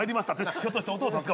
ひょっとしてお父さんですか？